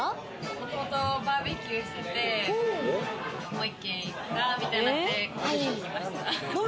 もともとバーベキューしてて、もう１軒行こうか、みたいになって来ました。